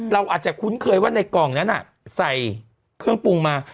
เราอาจจะคุ้นเคยว่าในกล่องนั้นใส่เครื่องปรุงมา